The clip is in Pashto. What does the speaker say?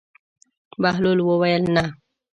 بهلول وویل: نه.